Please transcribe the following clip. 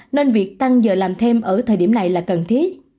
nên việc tăng giờ làm thêm ở thời điểm này là cần thiết